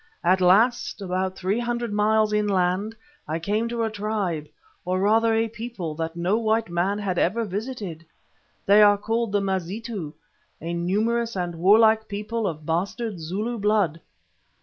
At last, about three hundred miles inland, I came to a tribe, or rather, a people, that no white man had ever visited. They are called the Mazitu, a numerous and warlike people of bastard Zulu blood."